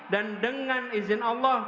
dan dengan izin allah